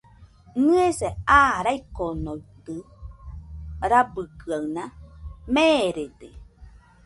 Nɨese aa raikonoitɨ rabɨkɨaɨna, merede